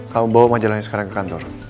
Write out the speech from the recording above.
kamu bawa majalahnya sekarang ke kantor